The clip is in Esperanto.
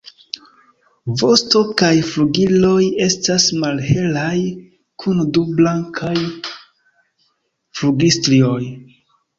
Vosto kaj flugiloj estas malhelaj kun du blankaj flugilstrioj.